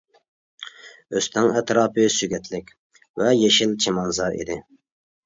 ئۆستەڭ ئەتراپى سۆگەتلىك ۋە يېشىل چىمەنزار ئىدى.